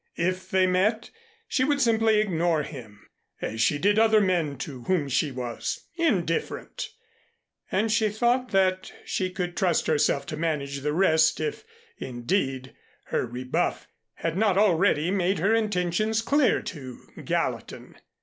If they met, she would simply ignore him as she did other men to whom she was indifferent, and she thought that she could trust herself to manage the rest if, indeed, her rebuff had not already made her intentions clear to Gallatin.